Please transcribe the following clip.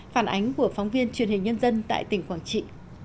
phản ánh của phóng viên truyền hình nhân dân tại tỉnh quảng trị